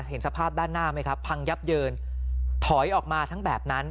เห็นสภาพด้านหน้าไหมครับพังยับเยินถอยออกมาทั้งแบบนั้น